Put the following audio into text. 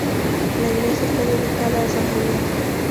La iglesia está dedicada a san Julián.